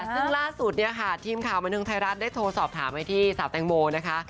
ซึ่งล่าสุดทีมข่าวบันทึงไทยรัฐได้โทรสอบถามให้ที่สาบแตงโมนะคะ